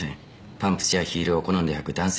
パンプスやヒールを好んで履く男性もいます。